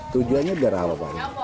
tujuannya berapa pak